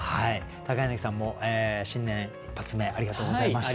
柳さんも新年一発目ありがとうございました。